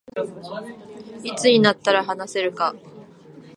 いつになったら話せるか